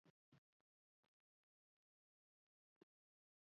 افغانستان د بادي انرژي لپاره مشهور دی.